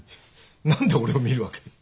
何で俺を見るわけ？